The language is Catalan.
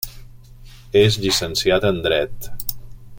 És llicenciat en Dret.